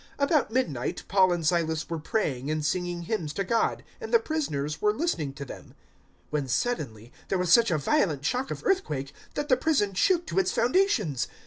016:025 About midnight Paul and Silas were praying and singing hymns to God, and the prisoners were listening to them, 016:026 when suddenly there was such a violent shock of earthquake that the prison shook to its foundations.